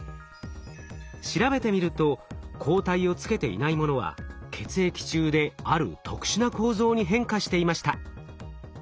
調べてみると抗体をつけていないものは血液中である特殊な構造に変化していました。